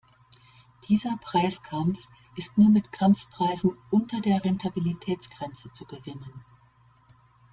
Dieser Preiskampf ist nur mit Kampfpreisen unter der Rentabilitätsgrenze zu gewinnen.